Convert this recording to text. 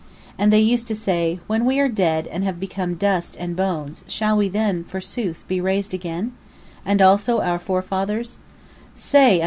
P: And they used to say: When we are dead and have become dust and bones, shall we then, forsooth, be raised again, S: And they used to say: What!